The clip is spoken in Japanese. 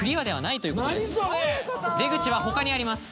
出口は他にあります。